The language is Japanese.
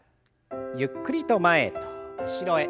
ゆっくりと前と後ろへ。